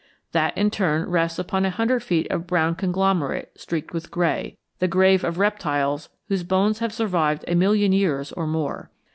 That in turn rests upon a hundred feet of brown conglomerate streaked with gray, the grave of reptiles whose bones have survived a million years or more.